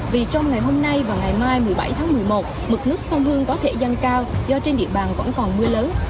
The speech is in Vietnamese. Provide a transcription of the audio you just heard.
vì trong ngày hôm nay và ngày mai một mươi bảy tháng một mươi một mực nước sông hương có thể giăng cao do trên địa bàn vẫn còn mưa lớn